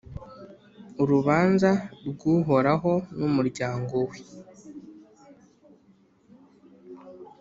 urubanza rw’uhoraho n’umuryango we